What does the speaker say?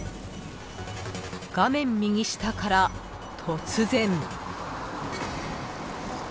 ［画面右下から突然］